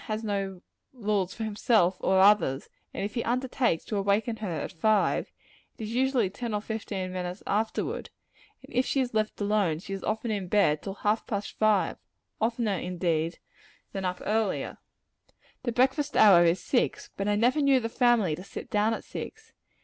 has no roles for himself or others; and if he undertakes to awaken her at five, it is usually ten or fifteen minutes afterward; and if she is let alone, she is often in bed till half past five oftener, indeed, than up earlier. The breakfast hour is six; but I never knew the family to sit down at six.